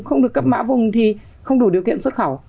không được cấp mã vùng thì không đủ điều kiện xuất khẩu